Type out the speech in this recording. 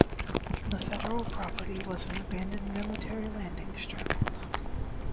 The federal property was an abandoned military landing strip.